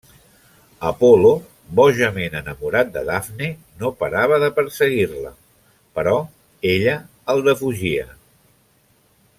Apol·lo, bojament enamorat de Dafne, no parava de perseguir-la, però ella el defugia.